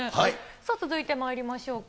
さあ続いてまいりましょうか。